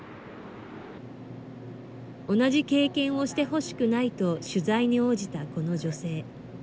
同じ経験をしてほしくないと、取材に応じたこの女性。